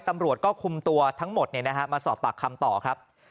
ตำรวจก็คุมตัวทั้งหมดมาสอบปากคำต่อครับ